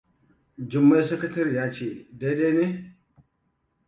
Jummai sakatare ne, daidai ne?